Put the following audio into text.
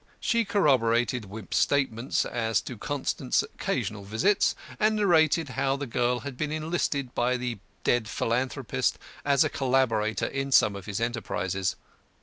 She corroborated Wimp's statements as to Constant's occasional visits, and narrated how the girl had been enlisted by the dead philanthropist as a collaborator in some of his enterprises.